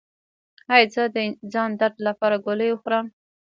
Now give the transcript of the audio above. ایا زه د ځان درد لپاره ګولۍ وخورم؟